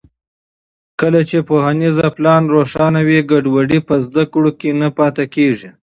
کله چې پوهنیز پلان روښانه وي، ګډوډي په زده کړو کې نه پاتې کېږي.